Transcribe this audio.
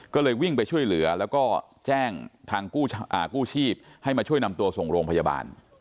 ก็เลยวิ่งไปช่วยเหลือแล้วก็แจ้งทางกู้ชีพให้มาช่วยนำตัวส่งโรงพยาบาล